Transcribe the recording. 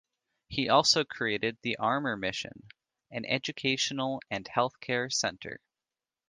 He also created the Armour Mission, an educational and healthcare center.